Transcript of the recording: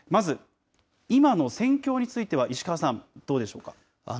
まず、今の戦況については、石川さん、どうでしょうか。